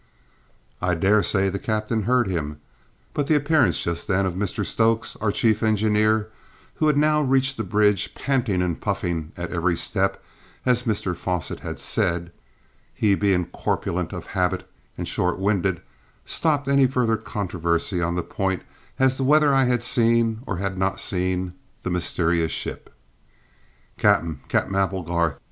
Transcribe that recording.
I daresay the captain heard him, but the appearance just then of Mr Stokes, our chief engineer, who had now reached the bridge, panting and puffing at every step, as Mr Fosset had said, he being corpulent of habit and short winded, stopped any further controversy on the point as to whether I had seen, or had not seen, the mysterious ship. "Cap'en, Cap'en Applegarth!"